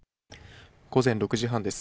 午前６時半です。